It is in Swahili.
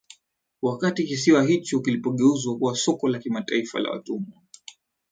wakati kisiwa hicho kilipogeuzwa kuwa soko la kimataifa la watumwa